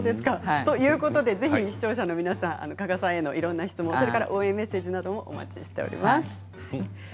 ぜひ視聴者の皆さん加賀さんへの質問や応援メッセージなどもお待ちしています。